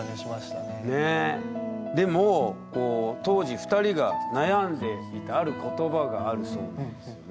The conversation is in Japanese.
でも当時２人が悩んでいたある言葉があるそうなんですよね。